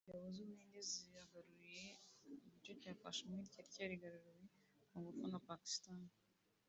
Ingabo z’ubuhinde zagaruye igice cya Kashmir cyari cyarigaruriwe ku ngufu na Pakistan